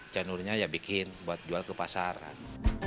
chanurnya ya bikin buat jual ke pasaran